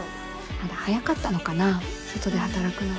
まだ早かったのかな外で働くのは。